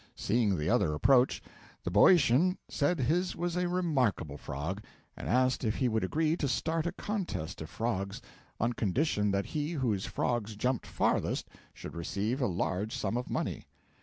Seeing the other approach, the Boeotian said his was a remarkable frog, and asked if he would agree to start a contest of frogs, on condition that he whose frog jumped farthest should receive a large sum of money.